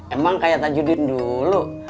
emang kayak tan judin dulu